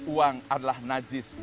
uang adalah najis